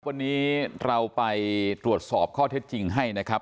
วันนี้เราไปตรวจสอบข้อเท็จจริงให้นะครับ